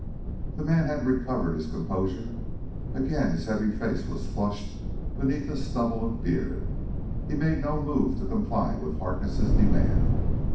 The man had recovered his composure; again his heavy face was flushed beneath a stubble of beard. He made no move to comply with Harkness' demand.